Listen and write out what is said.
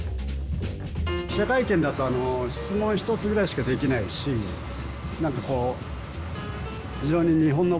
記者会見だと質問１つぐらいしかできないしなんかこう非常に日本の場合特に儀式的なんで。